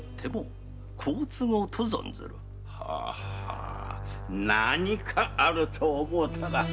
ははぁなにかあると思うたら。